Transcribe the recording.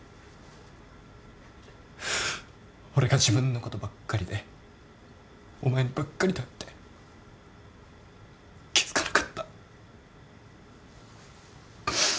俺が自分のことばっかりでお前にばっかり頼って気付かなかった。